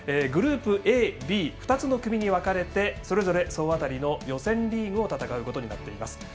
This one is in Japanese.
グループＡ、Ｂ２つの組に分かれてそれぞれ総当たりの予選リーグを戦うことになっています。